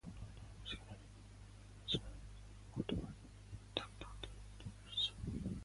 Borden Island, Mackenzie King Island and Melville Island were divided between the two territories.